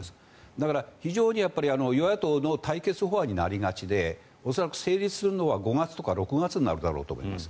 だから、非常に与野党の対決法案になりがちで恐らく成立するのは５月とか６月になるだろうと思います。